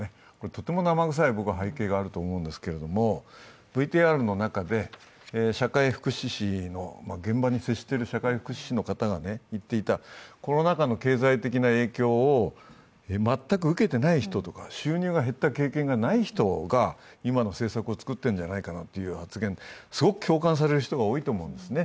とても生臭い背景があると僕は思うんですけれども、ＶＴＲの中で現場に接している社会福祉士の方が言っていたコロナ禍の経済的な影響を全く受けていない人、収入が減った経験がない人が今の政策を作っているんじゃないかという発言、すごく共感される人が多いと思うんですね。